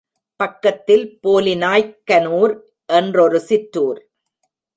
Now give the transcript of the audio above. பக்கத்தில் போலிநாய்க்கனூர், என்றொரு சிற்றுார்.